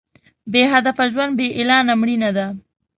بې هدفه ژوند بې اعلانه مړینه ده.